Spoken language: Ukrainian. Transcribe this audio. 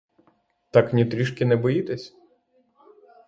Так ні трішки не боїтесь?